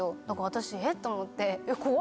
私えっ？と思って。